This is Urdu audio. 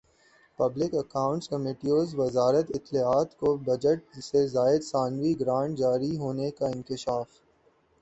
پبلک اکانٹس کمیٹیوزارت اطلاعات کو بجٹ سے زائد ثانوی گرانٹ جاری ہونے کا انکشاف